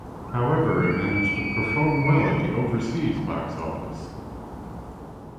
However, it managed to perform well at the overseas box office.